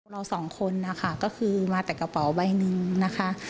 เราสองคนนะคะก็คือมาแต่กระเป๋าใบหนึ่งนะคะ